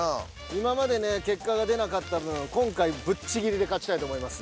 今までね結果が出なかった分今回ぶっちぎりで勝ちたいと思います。